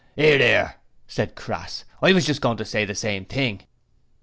''Ear, 'ear,' said Crass. 'I was just goin' to say the same thing.'